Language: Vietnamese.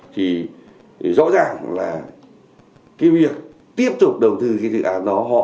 thì rõ ràng là cái việc tiếp tục đầu tư cái dự án đó họ